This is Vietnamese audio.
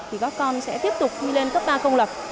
thì các con sẽ tiếp tục đi lên cấp ba công lập